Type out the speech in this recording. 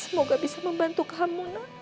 semoga bisa membantu kamu